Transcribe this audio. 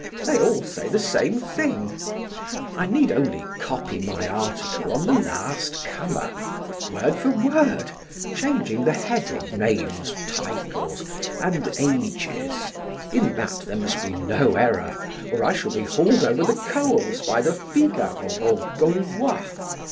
They all say the same thing. I need only copy my article on the last comer, word for word, changing the heading, names, titles, and ages: in that there must be no error, or I shall be hauled over the coals by the 'Figaro' or 'Gaulois.'